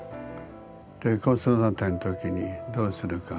で子育ての時にどうするか。